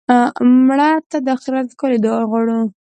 مړه ته د آخرت ښکلې دنیا غواړو